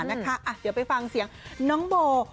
เราจะไปกดทุกคลิปไปฟังเสียงน้องโบห์